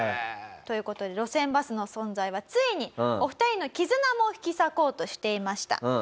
という事で路線バスの存在はついにお二人の絆も引き裂こうとしていました。